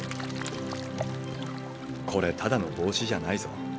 これただの帽子じゃないぞ。